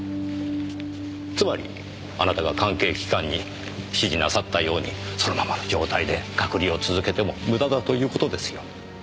つまりあなたが関係機関に指示なさったようにそのままの状態で隔離を続けても無駄だという事ですよ。